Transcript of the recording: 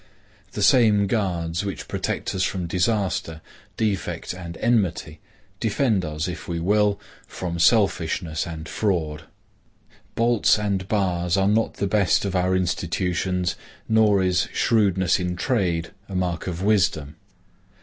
The same guards which protect us from disaster, defect, and enmity, defend us, if we will, from selfishness and fraud. Bolts and bars are not the best of our institutions, nor is shrewdness in trade a mark of wisdom.